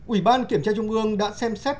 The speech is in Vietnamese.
ủy ban kiểm tra trung ương đã xem xét